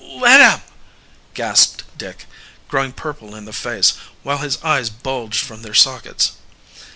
"Le let up!" gasped Dick, growing purple in the face, while his eyes bulged from their sockets.